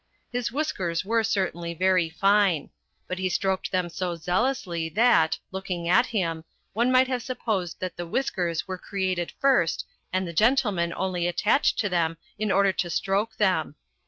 His whiskers were certainly very fine. But he stroked them so zealously that, looking at him, one might have supposed that the whiskers were created first and the gentleman only attached to them in order to stroke them.